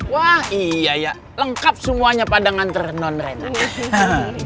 wah iya ya lengkap semuanya pada nganter nonrena